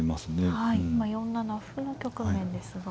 今４七歩の局面ですが。